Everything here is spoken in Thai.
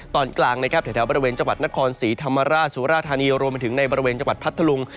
ตอนกลางนะครับแถวบริเวณจังหวัดนครศรีธรรมราชสุราธานีรวมไปถึงในบริเวณจังหวัดพัทธลุง